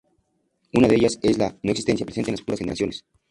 Una de ellas es la "no existencia presente de las futuras generaciones".